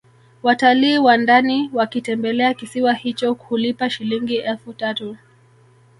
Watalii wa ndani wakitembelea kisiwa hicho hulipa Shilingi elfu tatu